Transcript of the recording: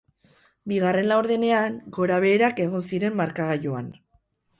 Bigarren laurdenean gora beherak egon ziren markagailuan.